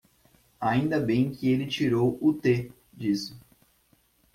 Ainda bem que ele tirou o "T" disso.